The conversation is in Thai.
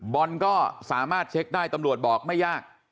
บอลก็สามารถเช็คได้ตำรวจบอกไม่ยาก